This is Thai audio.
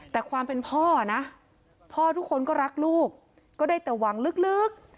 แต่ความเป็นพ่อนะพ่อทุกคนก็รักลูกก็ได้แต่หวังลึก